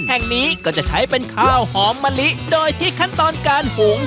แห่งนี้ก็จะใช้เป็นข้าวหอมมะลิโดยที่ขั้นตอนการหุง